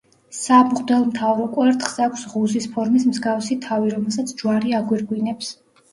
სამღვდელმთავრო კვერთხს აქვს ღუზის ფორმის მსგავსი თავი, რომელსაც ჯვარი აგვირგვინებს.